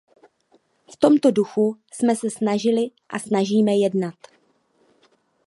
V tomto duchu jsme se snažili a snažíme jednat.